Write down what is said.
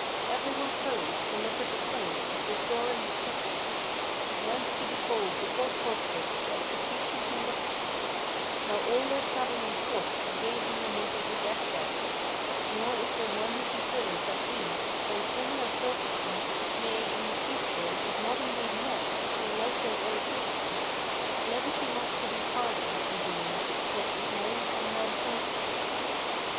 Every one hurries to look at the flames, as they soar in destruction; Runs to behold the poor culprit, to execution conducted: Now all are sallying forth to gaze on the need of these exiles, Nor is there one who considers that he, by a similar fortune, May, in the future, if not indeed next, be likewise o'ertaken. Levity not to be pardoned, I deem; yet it lies in man's nature."